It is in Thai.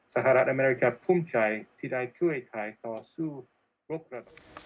สหรัฐอเมริกาทุ่มชัยที่ได้ช่วยถ่ายต่อสู้รกระบบ